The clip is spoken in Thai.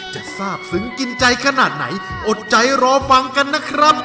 จะทราบซึ้งกินใจขนาดไหนอดใจรอฟังกันนะครับ